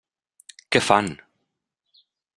Què fan?